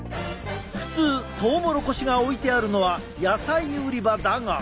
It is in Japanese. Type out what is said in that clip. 普通トウモロコシが置いてあるのは野菜売り場だが。